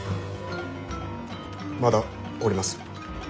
まだおります。